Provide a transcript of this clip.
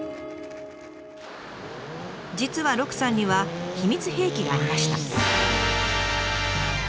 実は鹿さんには秘密兵器がありました。